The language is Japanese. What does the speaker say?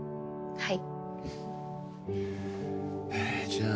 はい。